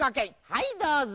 はいどうぞ。